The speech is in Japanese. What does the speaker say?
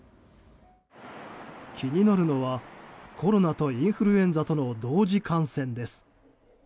気になるのはコロナとインフルエンザとの同時感染です。